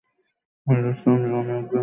উনাদের সামলাও, আমি এক ঘন্টার মধ্যে আসছি।